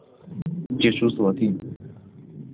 解除鎖定